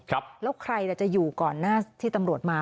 แล้วใครจะอยู่ก่อนหน้าที่ตำรวจมา